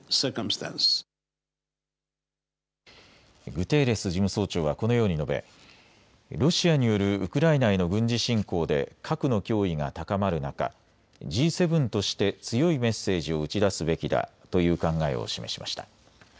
グテーレス事務総長はこのように述べ、ロシアによるウクライナへの軍事侵攻で核の脅威が高まる中、Ｇ７として強いメッセージを打ち出すべきだという考えを示しました。